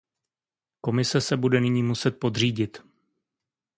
Komise se bude nyní muset podřídit.